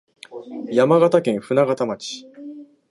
山形県舟形町